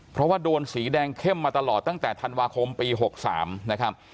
เพราะว่าโดนสีแดงเข้มมาตลอดตั้งแต่ธันวาคมปี๖๓นะครับ